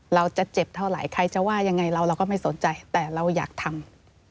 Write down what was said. เราจะเจ็บเท่าไหร่ใครจะว่ายังไงเราเราก็ไม่สนใจแต่เราอยากทำ